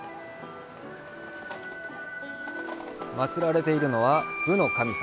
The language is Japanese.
祭られているのは武の神様。